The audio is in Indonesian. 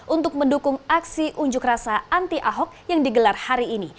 untuk mendukung aksi unjuk rasa anti ahok yang digelar hari ini